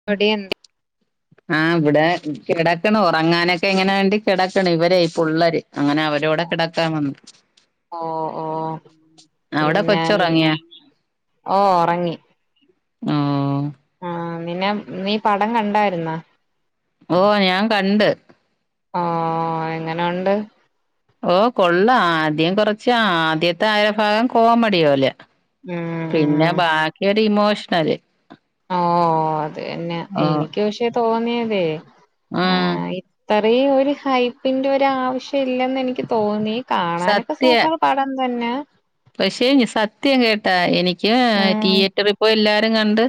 [unintelligible] ആഹ് ഇവിടെ കിടക്കണ് ഉറങ്ങാനൊക്കെ ഇങ്ങനെ വേണ്ടി കിടക്കണ്, ഇവരെ ഈ പുള്ളര്. അങ്ങനെ അവരോടെ കിടക്കാൻ വന്ന്. ഓ ഓ അവിടെ കൊച്ചറങ്ങിയാ? ഓഹ് ഉറങ്ങി. ഓ ആഹ് പിന്നെ നീ പടം കണ്ടായിരുന്നാ? ഓഹ് ഞാൻ കണ്ട്. ആഹ് എങ്ങനെയൊണ്ട്? ഓഹ് കൊള്ളാം, ആദ്യം കൊറച്ച് ആദ്യത്തെ അര ഭാഗം കോമഡി പോലെ. ഉം ഉം പിന്നെ ബാക്കിയൊരു ഇമോഷണല്. ഓ അതന്നെ ഓ എനിക്ക് പക്ഷേ തോന്നിയതേ ആ ഉം ത്തറീ ഒരു ഹൈപ്പിന്റെ ഒരാവശ്യം ഇല്ലെന്ന് എനിക്ക് തോന്നി. കാണാനൊക്കെ സത്യ സൂപ്പർ പടം തന്നെ. പക്ഷേ ഞ സത്യം കേട്ടാ എനിക്ക് ഉം തിയേറ്ററിൽപ്പോയ് എല്ലാരും കണ്ട്.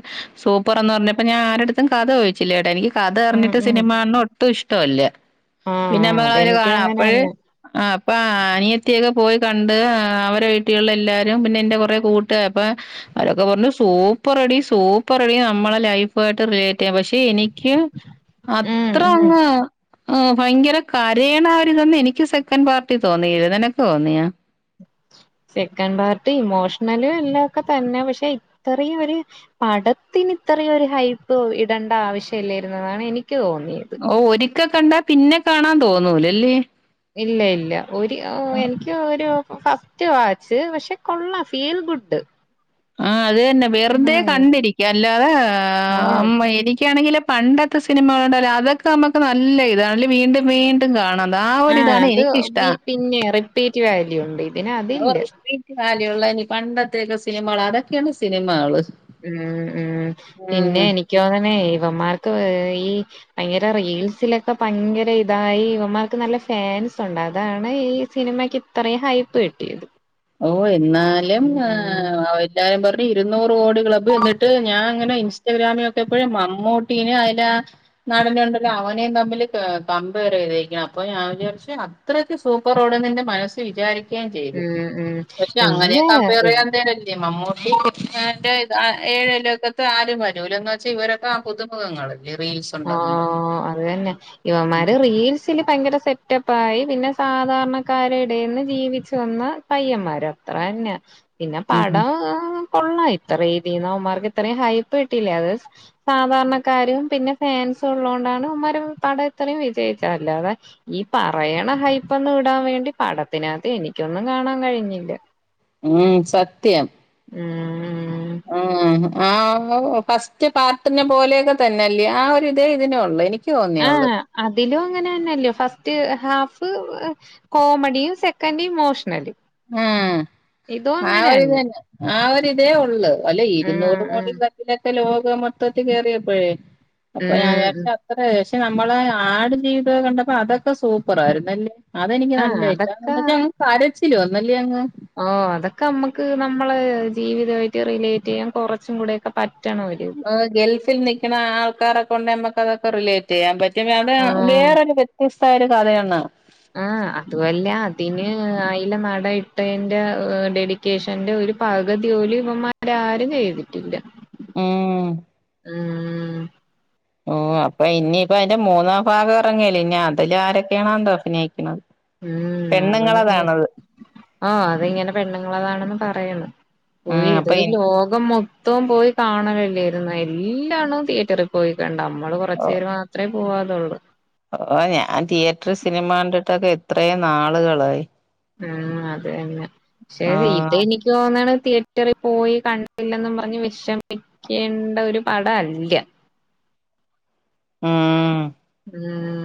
സൂപ്പർന്ന് പറഞ്ഞപ്പ ഞൻ ആരെടുത്തും കഥ ചോദിച്ചില്ലേട്ടാ. എനിക്ക് കഥ ഉം അറിഞ്ഞിട്ട് ഉം സിനിമാണേ ഒ ട്ടും ഇഷ്ട്ടോല്ല ആ ആ പിന്നെമ്മളൊരു അതെനിക്കും കാണാ അപ്പഴ് അങ്ങനെന്നെ ആഹ് അപ്പാ ആ നിയത്തിയൊക്കെ പോയി കണ്ട്. ആ അവരെ വീട്ടിലുള്ള എല്ലാരും. പിന്നെ എൻ്റെ കൊറെ കൂട്ട് അപ്പൊ അവരൊക്കെ പറഞ്ഞു സൂപ്പർടി സൂപ്പർടി നമ്മളെ ലൈഫായിട്ട് റിലേറ്റ് ചെയ്യ. പക്ഷെ എനിക്ക് ഉം അത്ര ഉം അങ്ങ്. ഉം ഭയങ്കര കരയണ ഒരിതന്ന് എനിക്ക് സെക്കൻഡ് പാർട്ടി തോന്നി ന്നിനക്ക് തോന്നിയാ. സെക്കൻ പാർട്ടി ഇമോഷണല് ഇല്ലതൊക്കെ തന്നെ പക്ഷെ ഇത്രയും ഒര്. പടത്തിന് ഇത്രയും ഒരു ഹൈപ്പ് ഇടേണ്ട ആവശ്യ ഇല്ലരുന്നതാണ് എനിക്ക് തോന്നിയത്. ഓ ഒരിക്ക കണ്ടാ പിന്നെ കാണാൻ തോന്നൂലല്ലേ? ഇല്ല ഇല്ല ഒരു ആ ആഹ് എനിക്ക് ഒരു ഫ സ്റ്റ് വാച്ച് പക്ഷെ കൊള്ളാം ഫീൽ ഗുഡ്. ആഹ് അത് തന്നെ ഉം വെറുതെ കണ്ടിരിക്ക അല്ലാതേ ആഹ് അം ഇനിക്കാണെങ്കില്. പണ്ടത്തെ സിനിമകളുണ്ടാലും അതൊക്കെ നമുക്ക് നല്ല ഇതാണല്ലെ വീണ്ടും വീ ട്ടും കാണ ത ആ ആഹ് ഒരിതാണ് അത് എനിക്കിഷ്ട്ടാ വി- പിന്നെ റിപ്പീറ്റ് വാല്യു ഉണ്ട് ഇതിന് അതില്ല. വീറ്റ് വലിയുള്ള പണ്ടത്തേക്കെ സിനിമകളാ അതൊക്കെയാണ് സിനിമകള്. ഉം ഉം ഉം. പിന്നെ എനിക്ക് തോന്നണേ ഇവന്മാർക്ക് ഏഹ് ഈ ഭയങ്കര റീൽസിലൊക്കെ ഭയങ്കര ഇതായി ഇവമ്മാർക്ക് നല്ല ഫാൻസ് ഉണ്ട് അതാണ് ഈ സിനിമക്ക്ഇ ഇത്രയും ഹൈപ്പ് കിട്ടിയത്. ഓഹ് എന്നാലും ആഹ് ഉം അവ ല്ലാരും പറഞ്ഞ് ഇരുുന്നൂറ് കോടി ക്ലബ് എന്നിട്ട് ഞാൻ ഇങ്ങനെ ഇൻസ്റ്റാഗ്രാമിലൊക്കെപ്പഴും മമ്മൂട്ടീന് അയിലാ നടനെ ഉണ്ടല്ലോ അവൻ നേ തമ്മില് കാ കമ്പെയർ ചെയ്തിരിക്ക അപ്പോ ഞാൻ വിചാരിച്ച് അത്രക്ക് സൂപ്പറോടെ നിന്റെ മനസ് വിചാരി ഉം ഉം പക്ഷെ അങ്ങനെ കമ്പയർ ഇല്ല ചെയ്യാൻ തരല്ലേ മമ്മൂട്ടി ന്നാട്ട് ഇത് ഏഴ് ലോകത്ത് ആരും വരൂല എന്ന് വെച്ചാ ഇവരൊക്കെ ആപുതുമുഖങ്ങള് റീൽസ് ഉണ്ടാകും പറഞ്ഞു ആഹ് അത് തന്നെ ഇവന്മാർ റീൽസില്. ഭയങ്കര സെറ്റപ്പായി പിന്നെ സാധാരണക്കാരെ ഇടെന്ന് ജീവിച്ചു വന്ന്. പയ്യന്മാരാ അത്രതന്നെ ഉം പിന്നെപടം. കൊള്ളാം ഇത്ര രീതിന് അവന്മാർക്ക് ഇത്രയും ഹൈപ്പ് കിട്ടില്ലേ. അത് സാധാരണക്കാരും. പിന്നെ ഫാൻസ് ഉള്ളൊണ്ടാണ് ഇവന്മാരെ പടം ഇത്രയും വിജയിച്ചത്. അല്ലാതെ ഈ പറയണ ഹൈപ്പന്ന് വിടാ വേണ്ടി പടത്തിനകത്ത് എനിക്കൊന്നും കാണാൻ കഴിഞ്ഞില്ല. ആ സത്യം. ആഹ് ആഹ് ആഹ് ആഹ് ഫസ്റ്റ് പാർട്ടിനെ പോലെക്കെ തന്നെല്ലേ ആഒരുത് ഇതിനൊള്ളു എനി ക്ക് തോന്ന്യേ ഉള്ളൂ. ആഹ് അതിലും അങ്ങനെന്നെല്ലോ. First half. കോമഡിയും സെക്കൻ്റ് ഇമോഷണല്. ആ ഇതും ആഒര് ഇത് അങ്ങനെയല്ല നൊ ആഒരു ഇതോ ഉള്ളു അല്ലേ ആഹ് ഇരുന്നൂറ് കോടി ആഹ് ക്ലബ്ബ്ലൊക്കെ ലോക മൊത്തത്തി കേറിയപ്പഴേ. അപ്പൊ ഞാ ഉം വിചാരിച്ച് ഉം അത്രേ പക്ഷെ നമ്മളെ ആട് ജീവിതകണ്ടപ്പോ അതൊ ക്ക സൂപ്പറാരുന്നല്ലേ അതെനിക്ക് ആഹ് നല്ല ഇഷ്ടാ എന്ന് അതൊക്കെ വച്ചാ അങ്ങ് കരച്ചില് വന്നല്ലേ അങ്ങ് ആഹ് അതൊക്കെ നമ്മക്ക് നമ്മളേ ജീവിതായിട്ട് റിലേറ്റ്യ്യാൻ കൊറച്ചും കൂടെക്കെ പ ആഹ് ഗൾഫിൽ നിക്കണ ആൾക്കാരെകൊണ്ട് നമ്മക്ക് അതൊക്കെ റിലേ റ്റിയ്യാൻ പറ്റും അതാ ആഹ് വേറൊരു വ്യത്യസ്തായ ഒരു കഥയാണ് ആഹ് അതുവല്ല അതിന് അയിലെ നട ഇട്ടേൻ്റെ ഡെഡി കേശന്റെ ഒരുപകുതി പോലും ഇവമാരാരും ചെയ്തിട്ടില്ല ഉം ഉം ഓ അപ്പൊ ഇനിയിപ്പ അയിന്റെ മൂന്നാ ഭാഗം എറങ്ങല്ലേ ഇനി അതില് ആരൊക്കെയാണോ എന്തോ അഭിനയിക്കണത് പെണ്ണുങ്ങളതാണത് ഓ അതിങ്ങനെ പെണ്ണുങ്ങളതാണെന്ന് പറയ്ണ് ആ ഓയിത് അപ്പൊ ഇൻ ലോകം മൊ ത്തവും പോയി കാണവെല്ലാര്ന്നു എല്ലാണ്ണോം തിയേറ്ററി പോയി കണ്ട് നമ്മള് ഓ കൊറച്ച് പേര് മാ ത്രേ പോവാതൊള്ളൂ ഓ ഞാൻ തിയേറ്റർ സിനിമ കണ്ടിട്ടൊക്കെ എത്രേം നാളുകളായി ഉം അതെന്നെ ശ്ശെ ആ ഇതിനി തോന്നണ് തിയേറ്ററി പോയി കണ്ടില്ലെന്നും പറഞ്ഞ് വെഷമി ക്കേണ്ട ഒരു പടല്ല ഉം ഉം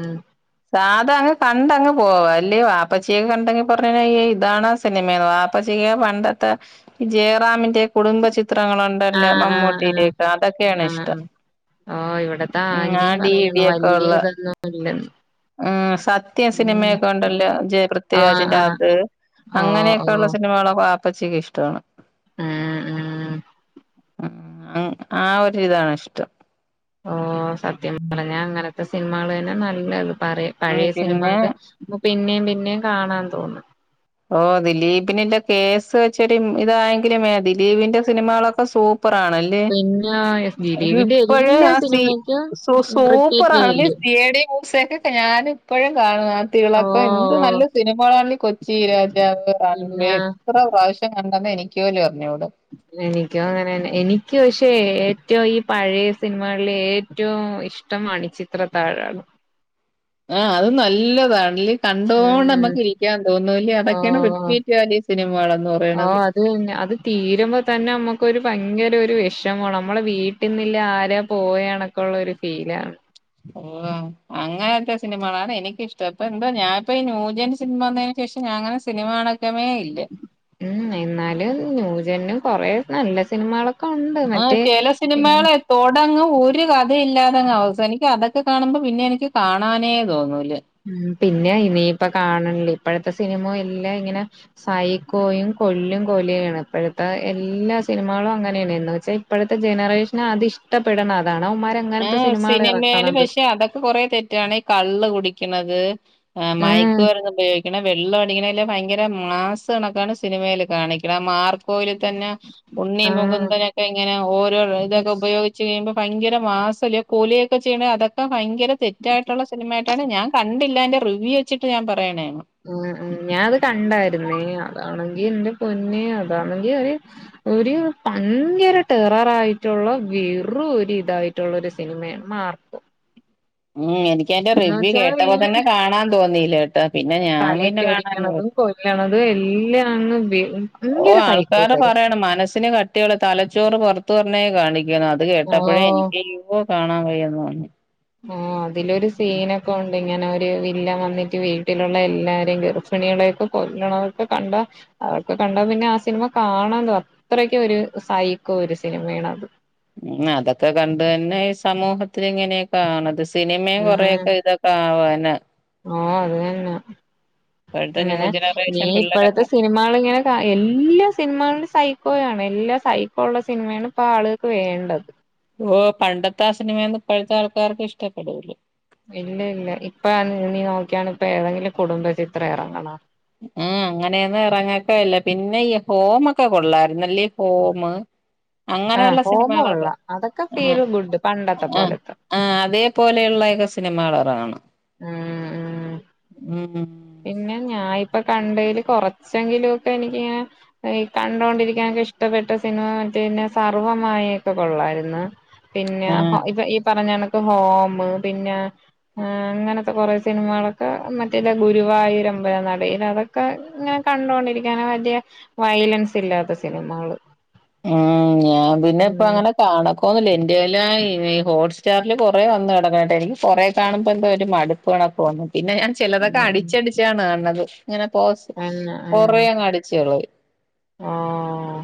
സാധാങ്ങ് കണ്ടങ്ങ് പോവാല്ലേ വാപ്പച്ചിയ കണ്ടങ് കൊറേ നേയായ് ഇതാണാ സ് പിന്നിമ്മ വാപ്പച്ചി യ്യ പണ്ടത്തെ ജയറാമിന്റെ കുടുംബ ചിത്രങ്ങളൊ ണ്ടല്ല ആഹ് ആഹ് മമ്മൂട്ടിയിടൊക്ക അതൊക്കാണിഷ്ടം ആ ഇവിട്ത്ത ആന്റീം പറയ്ണ് ഇടിയൊക്കെ ഉള്ള വലൃയിതൊന്നും അല്ല ഉം സത്യം സിനിമയൊക്കെണ്ടല്ലോ ജയ ആഹ് പൃഥ്വിരാജിന്റെ ആഹ് അത് ഓ ഓ അങ്ങനെക്കൊള്ള സിനിമകളൊക്ക വാപ്പച്ചിക്കിഷ്ടാണ് ഉം ഉം ഉം ആ ഒരിതാണ്ഷ്ടം ഓ സത്യം പറഞ്ഞാ അങ്ങനത്തെ സിനിമകളന്നെ നല്ലത് പറെ ഉം പഴയ പിന്നെ സിനിമക്കെ പിന്നേം പിന്നേം കാണാൻ തോന്നും ഓ ദിലീപിന്ൻ്റെ കേസ് വെച്ചൊരു ഇതായെങ്കിലും ദിലീപിന്റെ സിനിമകളക്കെ സൂപ്പറാണ് ലെ പിന്നെ ദിലീപിന്റെ ഇപ്പഴ് എല്ലാ ആ സി സിനിമയ്ക്കും സു റിപ്പീറ്റ് സൂപ്പറാണല്ലേ വാല്യൂ സി ഐ ഡി മൂസൊക്കെ ഞാൻ ഇപ്പഴും കാണുന്നു ആ ഓ തിളക്കം എന്ത് ഓ നല്ല സിനിമകളാണി കൊ ച്ചി രാജാവ് കാണുംമ്പൊഴേ പിന്നെ എത്ര പ്രാവശ്യം കണ്ടെന്ന് എനിക്ക് പോലും അറിഞ്ഞൂടാ എനിക്കും അങ്ങനന്നെ എനിക്ക് പക്ഷേ ഏറ്റവും ഈ പഴയ സിനിമകൾല് ഏറ്റവും ഇഷ് ടം മണി ചിത്രതാഴാണ്. ആഹ് അത് നല്ലതാണല്ലേ കണ്ടോണ്ട് ഉം നമ്മുക്കിരിക്കാൻ തോന്നൂലേ ഓ അതൊക്കാണ് റിപ്പീറ്റ് വാല്യൂ സിനിമകളെന്ന് പറയ്ണത്. ഓ അത് അത് തീരുംമ്പോ തന്നെ നമുക്കൊരു ഭയങ്കരൊരു വെഷമാണ് നമ്മളെ വീ ട്ടുന്നില്ല ആരാ പോയണക്കുള്ളൊരു ഫീലാണ് ഓ അങ്ങനത്തെ സിനിമകളാണ് എനിക്കിഷ്ടം പ്പ എന്തോ ഞാപ്പോ ഈ നൂജൻ സിനിമന്ന് ക്ക് ശേഷം ഞാ അങ്ങനെ സിനിമ കാണക്കമേ ഇല്ല ഉം എന്നാലും ന്യൂജനും കൊറേ നല്ല സിനിമകളൊ ആഹ് ചെല സിനിമേള് തോടങ്ങ് ഒരു കഥയില്ലാതങ്ങ് അവസാനിക്കും അതൊക്കെ കാണുംമ്പോ പിന്നെനിക്ക് കാണാനേ തോന്നൂല. ഉം പിന്നെ ഇനിയിപ്പൊ കാണണില്ലേ ഇപ്പഴ്ത്തെ സിനിമ എല്ലാ ഇങ്ങനെ സൈക്കോയും കൊല്ലും കൊലയു ആണ് ഇപ്പഴത്തെ എല്ലാ സിനിമകളും അങ്ങനേണ് എന്ന് വെച്ചാ ഇപ്പഴത്തെ ജനറേഷനതിഷ്ടപ്പെട്ണ അതാണ്. അവന്മാര ആഹ് സിനിമേല് പക്ഷേ അതൊക്കെ കൊറേ തെറ്റാണ് ഈ കള്ള് കുടിക്ക്ണത്. ആഹ് മയക്ക് ഉം മര്ന്ന് ഉപയോഗിക്ക്ണ് വെള്ള അടിക്ക്ണ എല്ലാം ഭയ്ങ്ക രം മാസ് കണക്കാണ് സിനിമേല് കാണിക്ക്ണ്. അ മാർ ക്കോല് തന്നെ ഉണ്ണി ആഹ് മുകുന്ദനൊക്കെ ഇങ്ങനെ ഓരോ ഇതൊക്കെ ഉപയോഗിച്ച് കഴിയുമ്പം ഭയങ്കര മാസല്യോ അ കൊലിയൊക്കെ ചെയ്യണ് അതൊക്കെ ഭയങ്കര തെറ്റായിട്ടുള്ള സിനിമ ആയിട്ടാണ് ഞാൻ കണ്ടില്ല അയിൻ്റേ റിവ്യൂവെ ച്ചിട്ട് ഞാൻ പറയണേണ്. ഉം ഉം ഞാ അത് കണ്ടായിരുന്നേ അതാണെങ്കി എന്റെ പൊന്നെ അതാണെങ്കി ഒര് ഒര് ഭയങ്കര ടെററായിട്ടുള്ള വെറു ഒരു ഇതായി ട്ടുള്ളൊരു സിനിമയാണ് മാർക്കോ. ഉ ഉം എനിക്കതിന്റെ എന്ന് റിവ്യൂ വെച്ചാൽ കേട്ടപ്പം ഈ തന്നെ കാണാൻ തോന്നീല്ലേട്ടോ. പിന്നെ ഞാൻ പിന്നെ കാണാനൊന്നും കൊല്ലണത് എല്ലാംങ്ങ് ബി ഉം ഓഹ് ആൾക്കാര് പറയണം മനസ്സിന് കട്ടിയുള്ള തലച്ചോറ് പുറത്തു പർഞ്ഞേ കാണിക്ക്ണ് അ ത് ഓ കേട്ടപ്പഴേ എനിക്ക് യ്യൊ കാണാൻ വയ്യാന്ന് തോന്നി. ആഹ് അതിലൊരു സീനൊ ക്കൊ ഒണ്ട് ഇങ്ങനെ ഒരു വില്ലൻവന്നിട്ട് വീട്ടിലുള്ള എല്ലാരേം ഗർഭിണിയെളെയൊക്കെ കൊല്ലണതൊക്കെ കണ്ടാ അതൊക്ക കണ്ട പിന്നെ ആ സിനിമ കാണാന്ന് അത്രക്കൊര് സൈക്കോ ഒരു സിനിമയാണത്. ഉം അതൊക്കെ കണ്ട് തന്നെ ഈ സമൂഹത്തിലിങ്ങനെയൊക്കെ ആവ്ണത്. സിനിമയും കൊറെയൊക്കെ ഇതൊക്കെ ആവാനാ. ഓഹ് അത് തന്നാ. ഇപ്പോഴത്തെ ന്യൂ ങ്ങനെ നീ ജനറേഷൻ ഇപ്പഴത്തെ പിള്ളേരൊക്കെ സിനിമകളിങ്ങനെ കാ എല്ലാ സിനിമകൾല് സൈക്കോയാണ്. എല്ലാ സൈക്കോ ഉള്ള സിനിമയാണ് ഇപ്പൊ ആളുകൾക്ക് വേണ്ടത്. ഓഹ് പണ്ടത്തെ ആ സിനമയൊന്നും ഇപ്പഴത്തെ ആൾക്കാർക്ക് ഇഷ്ടപ്പെടൂല. ഇല്ല ഇല്ല ഇപ്പ നീ നോക്കിയാണ് ഇപ്പൊ ഏതെങ്കിലും കുടുംബ ചിത്രം എറങ്ങണോ. ആഹ് അങ്ങനെയൊന്നും ഇറങ്ങത്തു ഇല്ല. പിന്നെ ഈ ഹോമൊക്കെ കൊള്ളായ്രുന്നല്ലേ, ഹോമ്. ആഹ് അങ്ങനെയുള്ള ഹോമം ഉള്ള സിനിമകളൊക്കെ അതൊക്കെ ആഹ് ഫീൽ ഗുഡ് പണ്ടത്തെ ആഹ് പോലത്തെ ആഹ് അതേപോലെയുള്ളയെക്കെ സിനിമകളെറങ്ങണം. ഉം ഉം ഉം ഉം. പിന്നെ ഞാൻ ഇപ്പ കണ്ടതിൽ കൊറച്ചെങ്കിലും ഒക്കെ എനിക്ക് ഇങ്ങനെ. ഈ കണ്ടുകൊണ്ടിരിക്കാനൊക്കെ ഇഷ്ടപ്പെട്ട സിനിമ മറ്റേ ന്നെ സർവ്വമായയൊക്കെ കൊള്ളായിര്ന്ന്. പിന്നെ ആഹ് ഹ ഇപ്പ ഈ പറഞ്ഞ കണ ക്ക് ഹോമ് പിന്നെ ഏഹ് അങ്ങനത്തെ കൊറെ സിനിമകളൊക്കെ മറ്റേ ഗുരുവായൂരമ്പല നടയിൽ അതൊക്കെ ഇങ്ങനെ കണ്ടോണ്ടിരിക്കാന പറ്റിയ. വയലൻസില്ലാത്ത സിനിമകള്. ഉം ഞാൻ പിന്നെ ഇപ്പൊ ഉം അങ്ങനെ കാണക്കോന്നുല്ല. എന്റെ കൈയിലാ ഈ ഹോട്ട് സ്റ്റാറില് കൊറെ വന്ന് കെടക്ക്ണണ്ട്, എനിക്ക് കൊറേ കാണുമ്പോ എന്തോ ഒരു മടു പ്പോണ പോണം പിന്നെഞാൻ. ഉം ചിലതൊക്കെ അടിച്ചടിച്ചാണ് കാൺണത് ഇങ്ങനെ പോസ് തന്നെ കൊറേ അങ് അടിച്ച് കളയും. ആഹ്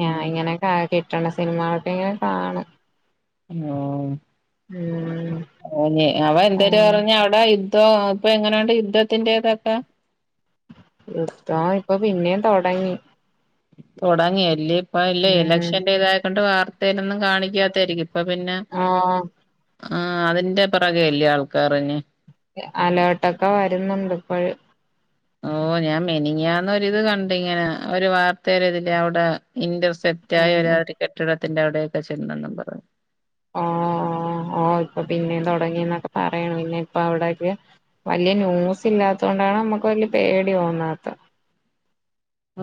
ഞാ ഉം ഇങ്ങനെ കിട്ടണ സിനിമകൾ ഒക്കെ ഇങ്ങനെ കാണും. [unintelligible] ഉം. അപ്പഞ്ഞ് അവ എന്തര് ആഹ് പറഞ്ഞ് അവടെ യുദ്ധോം ഇപ്പ എങ്ങനെയുണ്ട് യുദ്ധത്തിൻ്റെതൊക്കെ? യുദ്ധ ആഹ് ഇപ്പ പിന്നേം തൊടങ്ങി. തുടങ്ങിയല്ല ഇപ്പ ഇല്ല ഉം ഇലക്ഷന്റെ ഇതായക്കൊണ്ട് വാർത്തയിലൊന്നും കാണിക്കാത്തായിരിക്കും അപ്പൊ പിന്നെ ആഹ് ആഹ് അതിന്റെ പെറകയല്ലേ ആൾക്കറിന്നി അലേർട്ടൊക്കെ വരുന്നുണ്ട് ഇപ്പഴും ഓ ഞാൻ മെനിങ്ങാന്നൊരിത് കണ്ട് ഇങ്ങനെ ഒരു വാർത്ത ഒരു ഇതില് അവിടെ ഇന്റർസെപ്റ്റ് കൃത്യായ ഉം ഒരാ ഒരു കെട്ടിടത്തിന്റെ അവിടെയൊക്കെ ചെന്നെന്നും പറഞ്ഞ് ഓ ഓ ഓ ഇപ്പൊ പിന്നേ തുടങ്ങിന്നൊക്കെ പറയണ് പിന്നെ ഇപ്പ അവിടെക്കെ വല്ല്യ ന്യൂസ് ഇല്ലാത്തത് കൊണ്ടാണ് നമ്മുക്ക് വല്യ പേടി തോന്നാത്തെ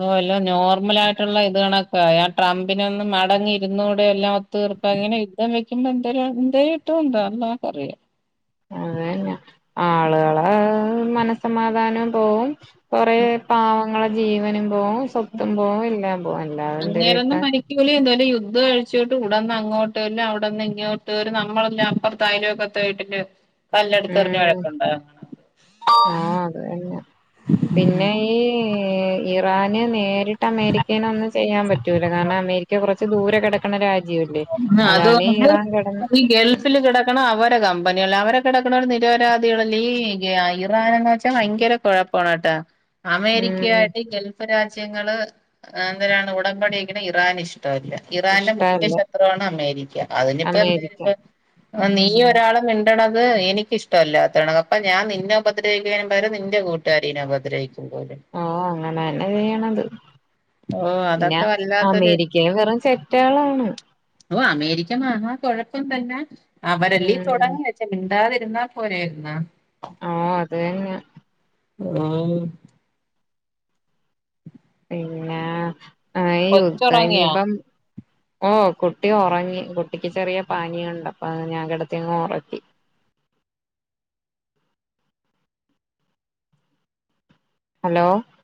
ഓല്ലോ നോർമലായിട്ടുള്ള ഇതേളൊക്കെ ആഹ് ട്രംപിനൊന്ന് മടങ്ങി ഇരുന്നൂടെ എല്ലാം തീർപ്പ അങ്ങെ യുദ്ധം വെക്കുമ്പോ എന്ത എന്തേ ഇട്ടും ഉണ്ടോ അള്ളാക്കറിയാം അതന്നെ ആളുകളെ മനസ്സമാധാനം പോവും കൊറെ ഉം പാവങ്ങളെ ജീവനും പോവും സ്വത്തും പോവും എല്ലാം പോവും എല്ലാ വെന്തര് കിട്ടാൻ ലി എന്ത യുദ്ം കഴിച്ചിോട്ട് ഇടന്ന് അങ്ങോട്ട് അല്ല അവിന്ന് ഇങ്ങോട്ട് വരും നമ്മളല്ല അപ്പുറത്തായ ലോക്കേത്ത് പേട്ടില് കല്ലടുത്ത്റിഞ്ഞ് ഉം വഴക്കുണ്ടാ ആഹ് അത് തന്നെ പിന്നെ ഈ ഇറാന് നേരിട്ട് അമേരിക്കനൊന്നും ചെയ്യാൻ പറ്റൂല കാരണം അമേരിക്ക കുറച്ച് ദൂരെ കിടക്കണ രാജ്യംല്ലേ ആ അതാണ് അതുകൊണ്ട് ഇറാൻ കിട ഈ ഗൾഫിൽ കിടക്കണ അവരെ കമ്പനിക് അവരൊക്കെ കിടക്കുന്ന ഒരു നിരപരാധികള ഈ ഇറാൻന്ന് വെച്ചാൽ ഭയങ്കരഴപ്പ പോണട്ടാ ഉം അമേരിക്കയായിട്ട് ഗൾഫ് രാജ്യ രാജ്യങ്ങള് എന്താണ് ഉടമ്പടക്ക ഇറാൻ ഇഷ്ടല്ല ഇറാന്റെ മുഖ്യ ഇഷ്ടല്ല മാത്രമാണ് അമേരിക്ക അതിനിപ്പ എന്തായും അമേരിക്ക നീ ഉം ഒരാളെ മിണ്ടത് എനിക്ക് ഇഷ്ടമല്ലാത്തണ അപ്പൊ ഞാൻ നിന്നെ ഉപദ്രവിക്ക പരെ നിന്റെ കൂട്ട രീനെ ഉപദ്രഹിക്കുമ്പോലെ ഓ അങ്ങനെ തന്നെ ചെയ്യണത് ഓ പിന്നാ അതൊക്കെ വല്ലാത്തൊരു അമേരിക്കയിൽ വെറും ചെറ്റാളാണ് ഓ അമേരിക്ക മഹാ കുഴപ്പം തന്നെ അവരെല്ലേ ഉം തുടങ്ങ പ മിണ്ടാതിരുന്നാ പോലെയായിരുന്നാ ഓ അത് തന്നെ ആഹ് പിന്നെ യുദ്ധം കൊച്ചൊറങ്ങിയോ ഇനിപ്പം ഓ കുട്ടി ഉറങ്ങി കുട്ടിക്ക് ചെറിയ പാനീയണ്ട് അപ്പൊ ഞാൻ കിടത്തിങ്ങ് ഉറക്കി ഹലോ